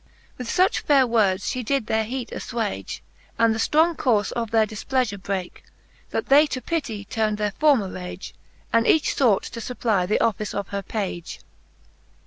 With fuch faire words fhe did their heate aflwage, And the ftrong courfe of their difpleafure breake, That they to pitty turn'd their former rage. And each fought to fupply the office of her page.